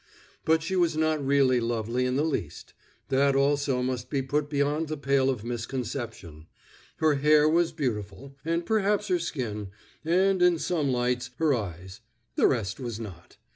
But she was not really lovely in the least; that also must be put beyond the pale of misconception. Her hair was beautiful, and perhaps her skin, and, in some lights, her eyes; the rest was not.